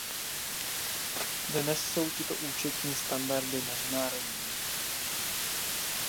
Dnes jsou tyto účetní standardy mezinárodní.